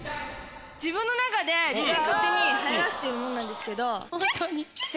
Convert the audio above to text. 自分の中で、勝手にはやらせてるものなんですけど。